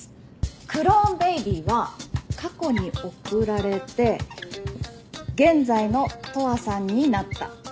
クローンベイビーは過去に送られて現在の永遠さんになった。